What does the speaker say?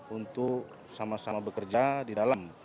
untuk sama sama bekerja di dalam